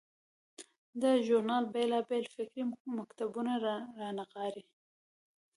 دا ژورنال بیلابیل فکري مکتبونه رانغاړي.